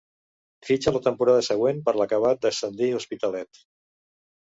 Fitxa la temporada següent per l'acabat d'ascendir Hospitalet.